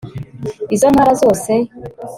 izo ntara zose